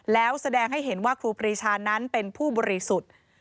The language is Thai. แล้วแสดงให้เห็นว่าครูปรีชานั้นเป็นผู้บริสุทธิ์